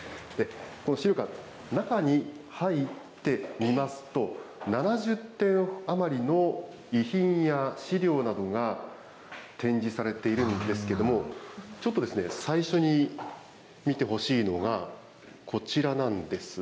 この資料館、中に入ってみますと、７０点余りの遺品や史料などが展示されているんですけれども、ちょっとですね、最初に見てほしいのが、こちらなんです。